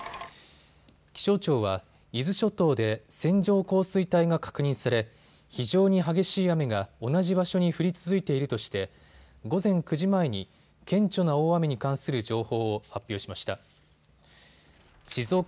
気象庁は伊豆諸島で線状降水帯が確認され非常に激しい雨が同じ場所に降り続いているとして午前９時前に顕著な大雨に関する情報を発表しました。